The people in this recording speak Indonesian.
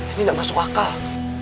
ini gak masuk akal